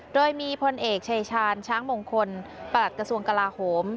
โดยมีพลเอกชายชาญช้างมงคลประหลัดกระทรวงกลาโหม